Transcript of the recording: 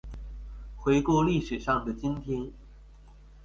回顧歷史上的今天